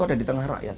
ada di tengah rakyat